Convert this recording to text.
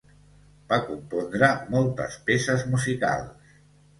Va compondre moltes peces musicals.